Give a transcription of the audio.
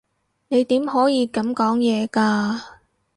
你點可以噉講嘢㗎？